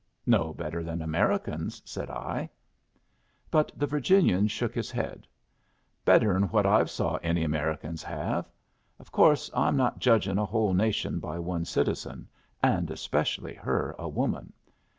"No better than Americans," said I. But the Virginian shook his head. "Better'n what I've saw any Americans have. Of course I am not judging a whole nation by one citizen, and especially her a woman.